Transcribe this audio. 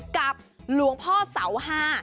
กับหลวงพ่อเสาห้า